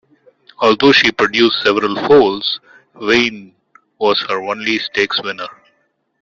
Although she produced several foals, Vain was her only stakes winner.